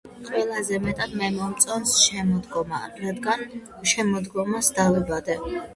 ყველაზე მეტად მე მომწონს შემოდგომა, რადგან შემოდგომას დავიბადე.